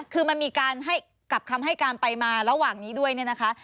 คือมันมีการให้กลับคำให้การไปมาระหว่างนี้ด้วยเนี่ยนะคะ